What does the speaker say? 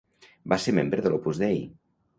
Va ser membre de l'Opus Dei.